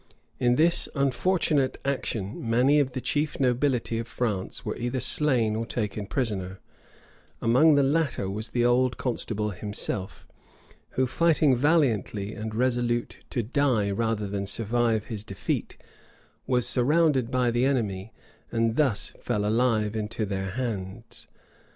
In this unfortunate action many of the chief nobility of France were either slain or taken prisoners: among the latter was the old constable himself, who, fighting valiantly, and resolute to die rather than survive his defeat, was surrounded by the enemy, and thus fell alive into their hands.